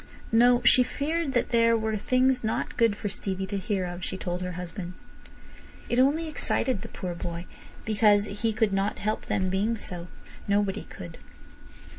No! She feared that there were things not good for Stevie to hear of, she told her husband. It only excited the poor boy, because he could not help them being so. Nobody could.